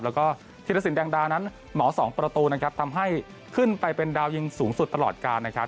แล้วก็ธีรสินแดงดานั้นหมอสองประตูนะครับทำให้ขึ้นไปเป็นดาวยิงสูงสุดตลอดการนะครับ